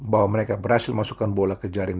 bahwa mereka berhasil masukkan bola ke jaring